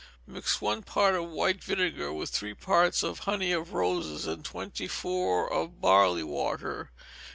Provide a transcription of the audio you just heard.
Mix one part of white vinegar with three parts of honey of roses, and twenty four of barley water.